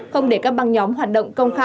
không để các băng nhóm hoạt động công khách